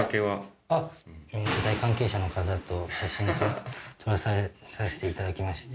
舞台関係者の方と写真撮らさせていただきまして。